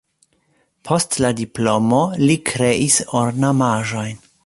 Post la diplomo li kreis ornamaĵojn.